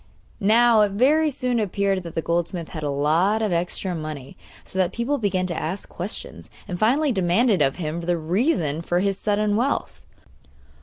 Now it very soon appeared that the goldsmith had a lot of extra money, so that people began to ask questions, and finally demanded of him the reason for his sudden wealth.